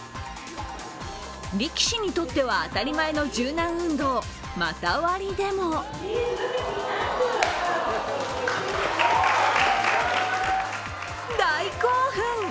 力士にとっては当たり前の柔軟運動・股割りでも大興奮。